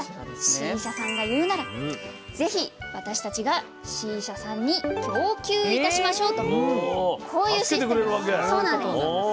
Ｃ社さんが言うならぜひ私たちがＣ社さんに供給いたしましょう」とこういうシステムなんです。